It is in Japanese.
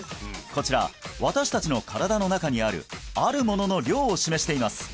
こちら私達の身体の中にあるあるものの量を示しています